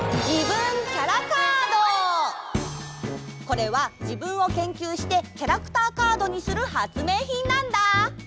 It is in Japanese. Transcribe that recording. これは自分を研究してキャラクターカードにする発明品なんだ！